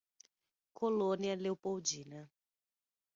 Colônia Leopoldina